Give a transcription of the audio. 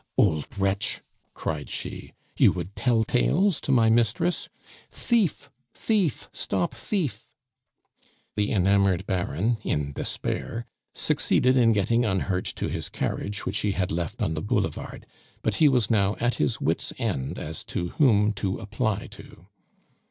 "Old wretch!" cried she, "you would tell tales to my mistress! Thief! thief! stop thief!" The enamored Baron, in despair, succeeded in getting unhurt to his carriage, which he had left on the boulevard; but he was now at his wits' end as to whom to apply to.